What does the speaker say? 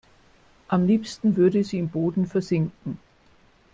Am liebsten würde sie im Boden versinken.